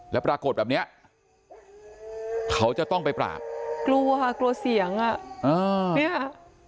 แล้วปรากฏแบบเนี้ยเขาจะต้องไปปราบกลัวเสียงอ่ะ